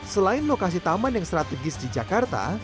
selain lokasi taman yang strategis di jakarta